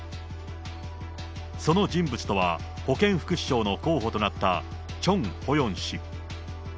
その人物とは、保健福祉相の候補となったチョン・ホヨン氏。